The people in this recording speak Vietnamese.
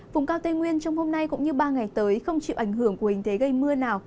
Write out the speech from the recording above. vùng cao tây nguyên trong hôm nay cũng như ba ngày tới không chịu ảnh hưởng của hình thế gây mưa nào